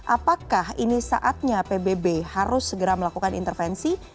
apakah ini saatnya pbb harus segera melakukan intervensi